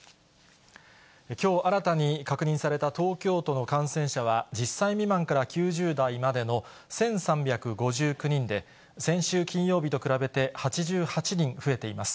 きょう新たに確認された東京都の感染者は、１０歳未満から９０代までの１３５９人で、先週金曜日と比べて、８８人増えています。